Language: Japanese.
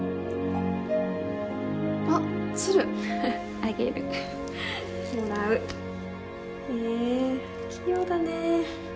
あっ鶴あげるもらうへえ器用だね